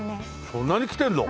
そんなに来てるの？